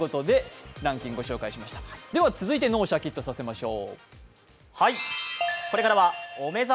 続いて脳をシャキっとさせましょう。